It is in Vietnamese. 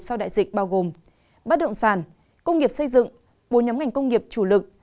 sau đại dịch bao gồm bất động sản công nghiệp xây dựng bốn nhóm ngành công nghiệp chủ lực